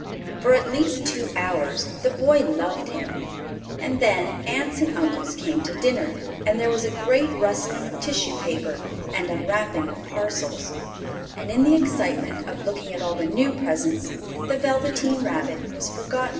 For at least two hours the Boy loved him, and then Aunts and Uncles came to dinner, and there was a great rustling of tissue paper and unwrapping of parcels, and in the excitement of looking at all the new presents the Velveteen Rabbit was forgotten.